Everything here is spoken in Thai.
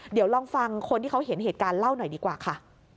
เดี๋ยวลองฟังคนที่เขาเห็นเหตุการณ์เล่าหน่อยดีกว่าค่ะ